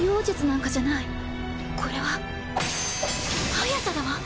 速さだわ！